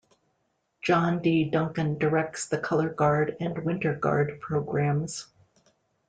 John D. Duncan directs the color guard and winter guard programs.